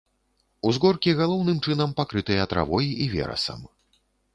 Узгоркі галоўным чынам пакрытыя травой і верасам.